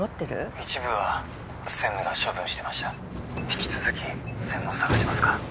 ☎一部は専務が処分してました☎引き続き専務を捜しますか？